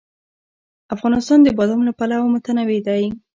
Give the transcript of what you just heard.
افغانستان د بادام له پلوه متنوع دی.